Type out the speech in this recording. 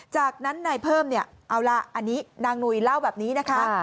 จากนั้นนายเพิ่มนางหนุยเล่าแบบนี้นะคะ